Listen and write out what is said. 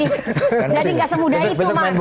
mas atol jadi tidak semudah itu